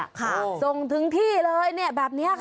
โอ้โหส่งถึงที่เลยแบบนี้ค่ะ